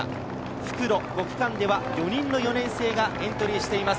復路５区間では４人の４年生がエントリーしています。